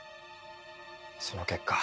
その結果。